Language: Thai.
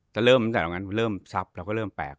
แต่เริ่มตั้งแต่ตอนนั้นเริ่มซับแล้วก็เริ่มแปลก